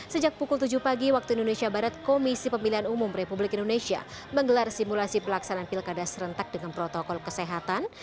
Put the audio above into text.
sejak pukul tujuh pagi waktu indonesia barat komisi pemilihan umum republik indonesia menggelar simulasi pelaksanaan pilkada serentak dengan protokol kesehatan